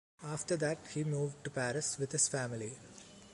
After that he moved to Paris with his family.